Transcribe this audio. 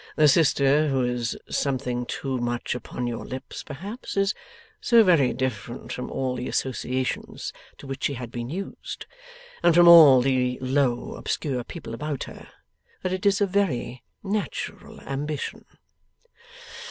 The sister who is something too much upon your lips, perhaps is so very different from all the associations to which she had been used, and from all the low obscure people about her, that it is a very natural ambition.